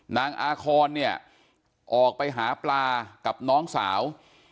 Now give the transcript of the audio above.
นางอาคอนเนี่ยออกไปหาปลากับน้องสาว